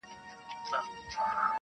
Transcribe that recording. • له مرګي یې وو اوزګړی وېرولی -